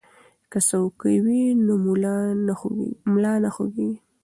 که څوکۍ وي نو ملا نه خوږیږي.